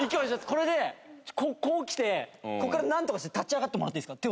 これでこうきてここからなんとかして立ち上がってもらっていいですか？